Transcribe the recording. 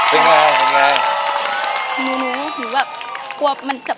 ผู้หญิงอย่างฉัน